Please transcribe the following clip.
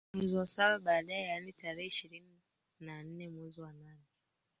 mwezi wa saba baadaye yaani tarehe ishirini na nne mwezi wa nane